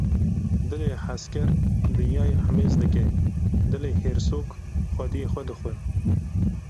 Dilê hezker dinyayê himêz dike, dilê hêrsok xwediyê xwe dixwe.